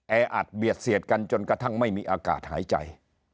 แออัดเบียดเสียดกันจนกระทั่งไม่มีอากาศหายใจ